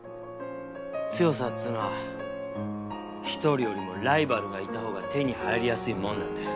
強さっつーのは１人よりもライバルがいたほうが手に入りやすいもんなんだ。